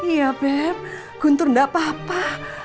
iya beb guntur enggak apa apa